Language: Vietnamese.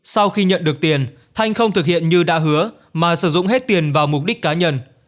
sau khi nhận được tiền thanh không thực hiện như đã hứa mà sử dụng hết tiền vào mục đích cá nhân